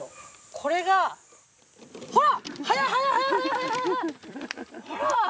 これが。ほら！